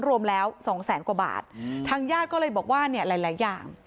รวมแล้วสองแสนกว่าบาททางญาติก็เลยบอกว่าเนี่ยหลายหลายอย่าง